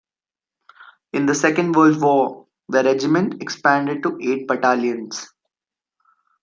In the Second World War, the regiment expanded to eight battalions.